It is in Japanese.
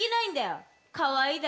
かわいいだろ？